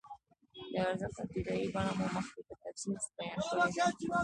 د ارزښت ابتدايي بڼه مو مخکې په تفصیل بیان کړې ده